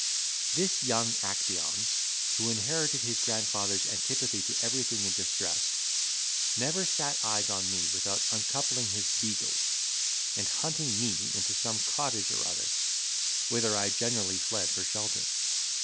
This young Actaeon, who inherited his grandfather's antipathy to everything in distress, never sat eyes on me without uncoupling his beagles, and hunting me into some cottage or other, whither I generally fled for shelter.